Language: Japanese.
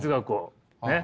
ねっ！